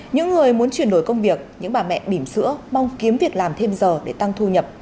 những người muốn chuyển đổi công việc những bà mẹ bìm sữa mong kiếm việc làm thêm giờ để tăng thu nhập